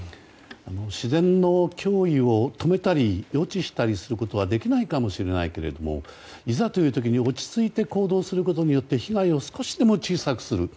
自然の脅威を止めたり予知したりすることはできないかもしれないけれどもいざという時に落ち着いて行動することによって被害を少しでも小さくする。